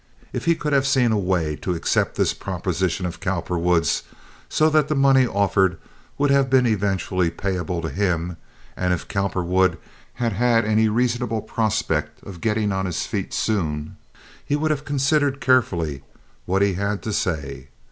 If he could have seen a way to accept this proposition of Cowperwood's, so that the money offered would have been eventually payable to him, and if Cowperwood had had any reasonable prospect of getting on his feet soon, he would have considered carefully what he had to say.